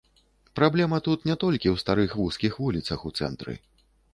Праблема тут не толькі ў старых вузкіх вуліцах у цэнтры.